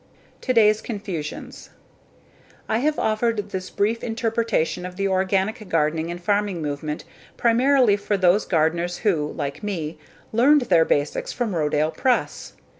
_ Today's Confusions I have offered this brief interpretation of the organic gardening and farming movement primarily for the those gardeners who, like me, learned their basics from Rodale Press.